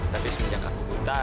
tapi semenjak aku buta